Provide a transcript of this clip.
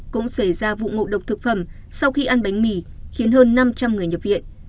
cũng xảy ra vụ ngộ độc thực phẩm sau khi ăn bánh mì khiến hơn năm trăm linh người nhập viện